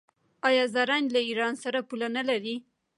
آیا زرنج له ایران سره پوله نلري؟